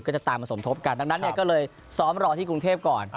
จะตามมาสมทบกันดังนั้นเนี่ยก็เลยซ้อมรอที่กรุงเทพก่อน